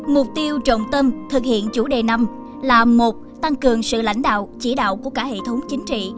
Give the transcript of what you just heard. mục tiêu trọng tâm thực hiện chủ đề năm là một tăng cường sự lãnh đạo chỉ đạo của cả hệ thống chính trị